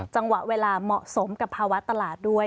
จังหวะเวลาเหมาะสมกับภาวะตลาดด้วย